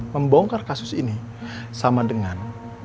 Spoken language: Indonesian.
membongkar kasus ini sama dengan